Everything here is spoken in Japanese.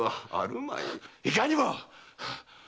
いかにもっ！